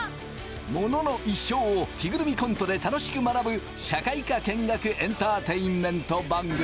モノの一生を着ぐるみコントで楽しく学ぶ社会科見学エンターテインメント番組。